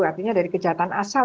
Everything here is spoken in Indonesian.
artinya dari kejahatan asal